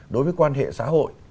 đối với quan hệ xã hội